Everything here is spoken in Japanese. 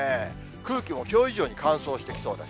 空気もきょう以上に乾燥してきそうです。